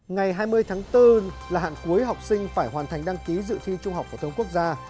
ngày hai mươi tháng bốn là hạn cuối học sinh phải hoàn thành đăng ký dự thi trung học phổ thông quốc gia